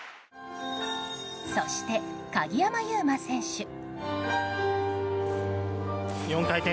そして、鍵山優真選手。